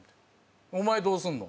お前どうするの？」。